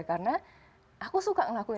karena aku suka ngelakuin